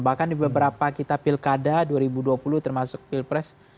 bahkan di beberapa kita pilkada dua ribu dua puluh termasuk pilpres